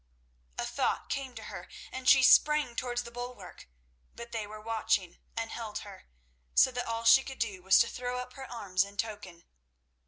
A thought came to her, and she sprang towards the bulwark; but they were watching and held her, so that all that she could do was to throw up her arms in token.